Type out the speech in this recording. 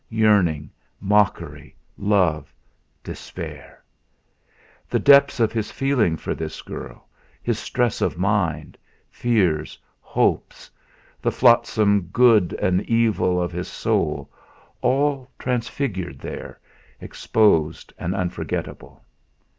Yearning, mockery, love, despair! The depth of his feeling for this girl, his stress of mind, fears, hopes; the flotsam good and evil of his soul, all transfigured there, exposed and unforgettable.